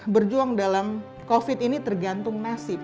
berjuang dalam covid ini tergantung nasib